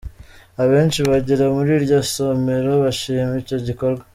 Abenshi bagera muri iryo somero bashima icyo gikorwa.